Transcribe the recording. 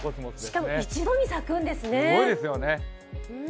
しかも一度に咲くんですね。